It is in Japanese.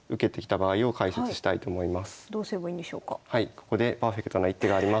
ここでパーフェクトな一手があります。